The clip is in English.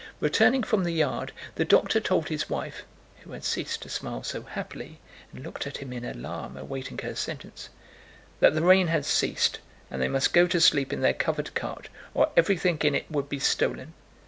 Returning from the yard, the doctor told his wife (who had ceased to smile so happily, and looked at him in alarm, awaiting her sentence) that the rain had ceased and they must go to sleep in their covered cart, or everything in it would be stolen.